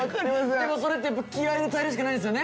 でもそれってやっぱ気合いで耐えるしかないですよね？